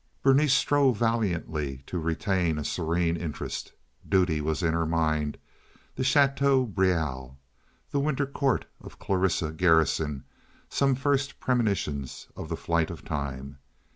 Berenice strove valiantly to retain a serene interest. Duty was in her mind, the Chateau Brieul, the winter court of Clarissa Garrison, some first premonitions of the flight of time.